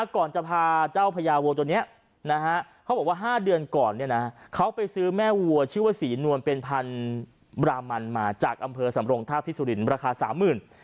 ก่อนจะพาเจ้าพญาวัวตัวนี้เขาบอกว่า๕เดือนก่อนเขาไปซื้อแม่วัวชื่อว่าศรีนวลเป็นพันบรามันมาจากอำเภอสำรงทาบที่สุรินราคา๓๐๐บาท